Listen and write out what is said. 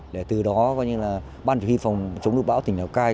để từ đó ban chủ y phòng chống lụt bão tỉnh lào cai